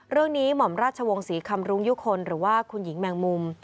เรื่องนี้หม่อมราชวงศ์ศรีคำรุงยุคคลหรือว่าคุณหญิงแมงมุม